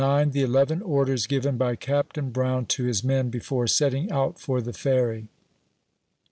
THE ELEVEN ORDERS GIVEN BY CAPTAIN BROWN TO HIS MEN BEFORE SETTING OUT FOB THE FERRY.